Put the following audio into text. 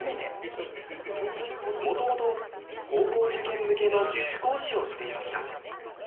もともと高校受験向けの塾講師をしていました。